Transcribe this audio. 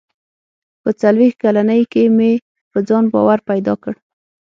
• په څلوېښت کلنۍ کې مې په ځان باور پیدا کړ.